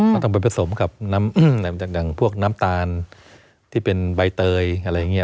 เขาต้องไปผสมกับน้ำตาลที่เป็นใบเตยอะไรอย่างงี้